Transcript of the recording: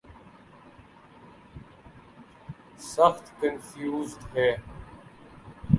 سخت کنفیوزڈ ہیں۔